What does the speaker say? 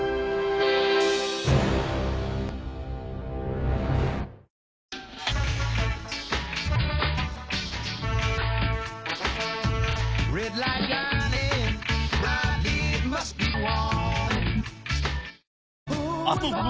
うわ！